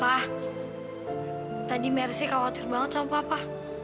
wah tadi mercy khawatir banget sama papa